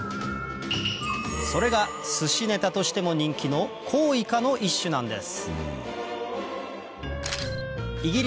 それが寿司ネタとしても人気のコウイカの一種なんです